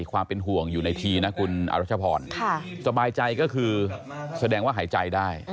ความเป็นห่วงอยู่ในทีนะคุณอรัชพรสบายใจก็คือแสดงว่าหายใจได้